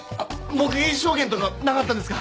目撃証言とかなかったんですか？